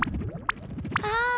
ああ。